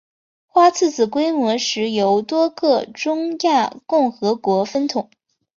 花剌子模现时由多个中亚共和国分统。